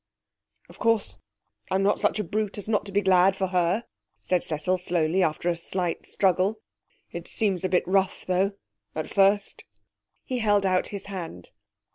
'Of course, I'm not such a brute as not to be glad, for her,' said Cecil slowly, after a slight struggle. 'It seems a bit rough, though, at first.' He held out his hand.